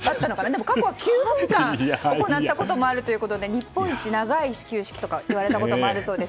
でも過去９分間行ったこともあるということで日本一長い始球式といわれたこともあるそうです。